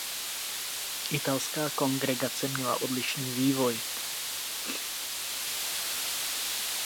Italská kongregace měla odlišný vývoj.